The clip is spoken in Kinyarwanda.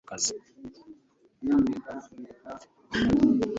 akimana na Mariya baruhuka ku kazi.